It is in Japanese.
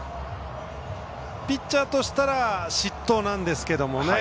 ピッチャーとしたら失投なんですけれどもね